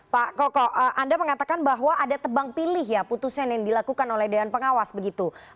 pak koko anda mengatakan bahwa ada tebang pilih ya putusan yang dilakukan oleh dewan pengawas begitu